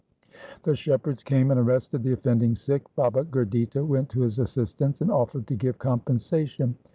The shepherds came and arrested the offending Sikh. Baba Gurditta went to his assist ance and offered to give compensation.